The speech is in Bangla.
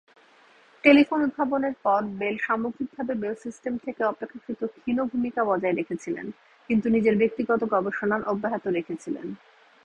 টেলিফোন উদ্ভাবনের পর, বেল সামগ্রিকভাবে বেল সিস্টেম থেকে অপেক্ষাকৃত ক্ষীণ ভূমিকা বজায় রেখেছিলেন, কিন্তু নিজের ব্যক্তিগত গবেষণার অব্যাহত রেখেছিলেন।